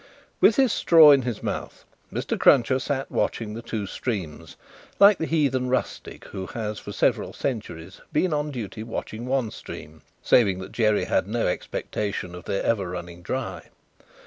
With his straw in his mouth, Mr. Cruncher sat watching the two streams, like the heathen rustic who has for several centuries been on duty watching one stream saving that Jerry had no expectation of their ever running dry.